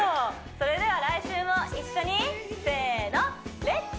それでは来週も一緒にせの「レッツ！